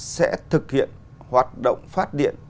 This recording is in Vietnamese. sẽ thực hiện hoạt động phát điện